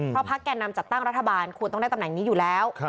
เพราะพักแก่นำจัดตั้งรัฐบาลควรต้องได้ตำแหน่งนี้อยู่แล้ว